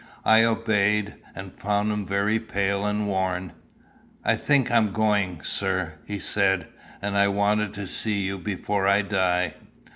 I obeyed, and found him very pale and worn. "I think I am going, sir," he said; "and I wanted to see you before I die."